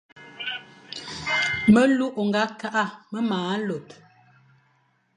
Melu ô nga kakh me mana lor.